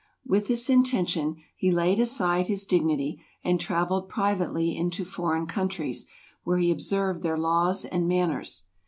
With this inten¬ tion, he laid aside his dignity, and travelled pri¬ vately into foreign countries, where he observed their laws and manners.